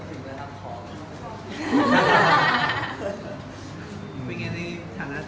จะถึงแนวท่องของ